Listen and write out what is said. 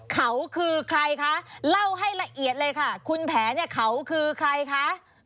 เขาคือใครคะเล่าให้ละเอียดเลยค่ะคุณแผลเนี่ยเขาคือใครคะ